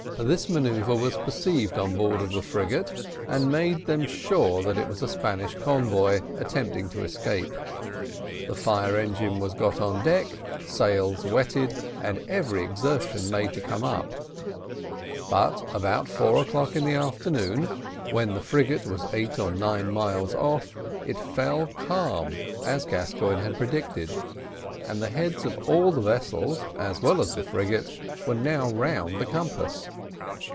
This manoeuvre was perceived on board of the frigate, and made them sure that it was a Spanish convoy attempting to escape. The fire engine was got on deck, sails wetted, and every exertion made to come up. But about four o'clock in the afternoon, when the frigate was eight or nine miles off, it fell calm, as Gascoigne had predicted, and the heads of all the vessels, as well as the frigate, were now round the compass.